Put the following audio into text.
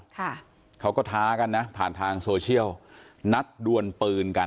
ค่ะเขาก็ท้ากันนะผ่านทางโซเชียลนัดดวนปืนกัน